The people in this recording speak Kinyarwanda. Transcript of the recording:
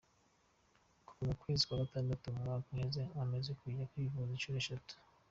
Kuva mu kwezi kwa gatandatu mu mwaka uheze amaze kuja kwivuza inshuro zitatu.